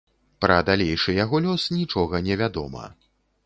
Пра далейшы яго лёс нічога невядома.